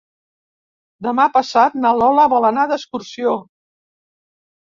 Demà passat na Lola vol anar d'excursió.